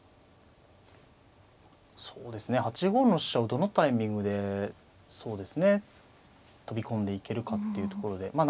そうですね８五の飛車をどのタイミングでそうですね飛び込んでいけるかっていうところで。